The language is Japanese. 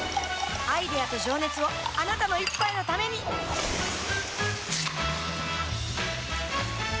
アイデアと情熱をあなたの一杯のためにプシュッ！